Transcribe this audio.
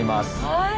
はい！